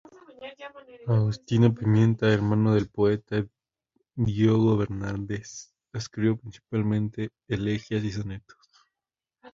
Agostinho Pimenta, hermano del poeta Diogo Bernardes, escribió principalmente elegías y sonetos.